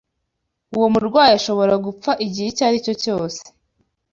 Uwo murwayi ashobora gupfa igihe icyo aricyo cyose.